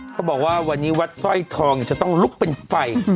เขาบอกว่าวันนี้วัดสร้อยทองจะต้องลุกเป็นไฟ